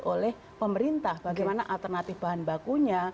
oleh pemerintah bagaimana alternatif bahan bakunya